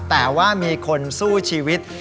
แต่ว่ามีคนสู้ชีวิต